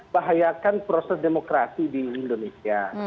bahayakan proses demokrasi di indonesia